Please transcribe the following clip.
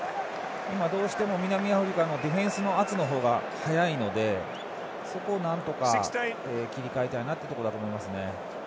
どうしても南アフリカのディフェンスの圧の方が早いので、そこをなんとか切り替えたいところだと思います。